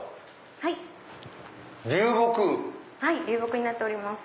はい流木になっております。